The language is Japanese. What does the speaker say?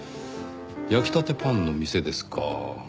焼きたてパンの店ですか。